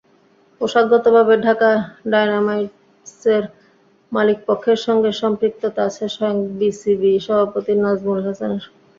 পেশাগতভাবে ঢাকা ডায়নামাইটসের মালিকপক্ষের সঙ্গে সম্পৃক্ততা আছে স্বয়ং বিসিবি সভাপতি নাজমুল হাসানের।